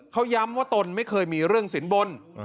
เขาย้ำว่าตนไม่เคยมีเรื่องสินบน